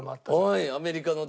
はいアメリカの。